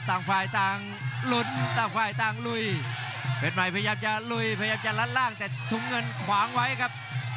ต่างฝ่ายต่างลุ้นต่างฝ่ายต่างลุยเพชรใหม่พยายามจะลุยพยายามจะลัดล่างแต่ถุงเงินขวางไว้ครับ